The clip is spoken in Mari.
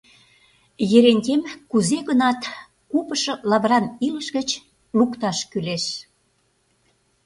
Ерентем кузе-гынат купышо лавыран илыш гыч лукташ кӱлеш.